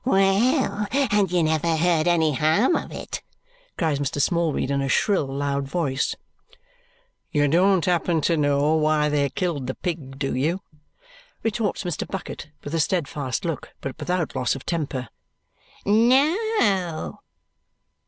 "Well, and you never heard any harm of it!" cries Mr. Smallweed in a shrill loud voice. "You don't happen to know why they killed the pig, do you?" retorts Mr. Bucket with a steadfast look, but without loss of temper. "No!"